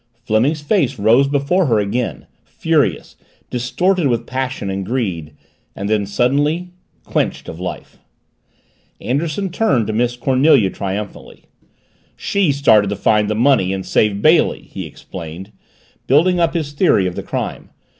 Fleming's face rose before her again, furious, distorted with passion and greed then, suddenly, quenched of life. Anderson turned to Miss Cornelia triumphantly. "She started to find the money and save Bailey," he explained, building up his theory of the crime.